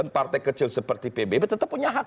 partai kecil seperti pbb tetap punya hak